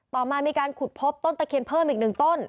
ต่อมามีการขุดพบต้นตะเคียนเพิ่มอีก๑ต้น